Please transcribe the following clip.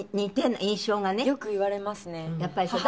よく言われますね